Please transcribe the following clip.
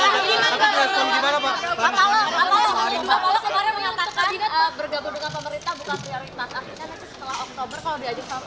akhirnya nanti setelah oktober kalau diajak pak prabowo akan bergabung dengan